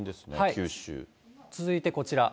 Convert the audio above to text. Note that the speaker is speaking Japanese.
続いてこちら。